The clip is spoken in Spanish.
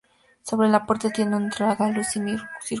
Sobre la puerta tiene un tragaluz semicircular.